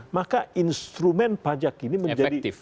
maka instrumen pajak ini menjadi